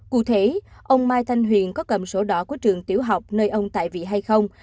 cụ thể ông mai thanh huyền có cầm sổ đỏ của trường tiểu học nơi ông tại vị hay không